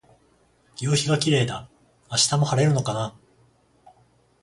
夕陽がキレイだ。明日も晴れるのかな。